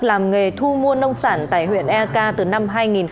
làm nghề thu mua nông sản tại huyện eika từ năm hai nghìn một mươi hai